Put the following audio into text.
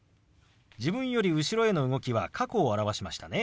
自分より後ろへの動きは過去を表しましたね。